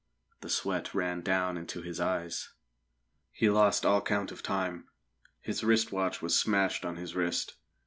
The sweat ran down into his eyes. He lost all count of time; his wrist watch was smashed on his wrist.